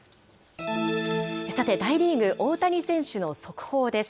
さて、大リーグ、大谷選手の速報です。